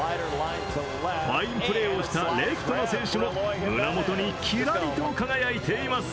ファインプレーをしたレフトの選手も胸元にキラリと輝いています。